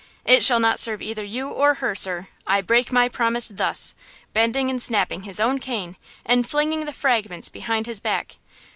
It shall not serve either you or her, sir! I break my promise thus!" bending and snapping his own cane and flinging the fragments behind his back."